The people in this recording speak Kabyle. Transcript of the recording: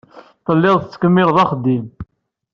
Telliḍ tettkemmileḍ axeddim.